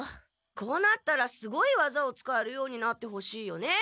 こうなったらすごいわざを使えるようになってほしいよね。